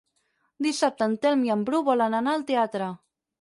Dissabte en Telm i en Bru volen anar al teatre.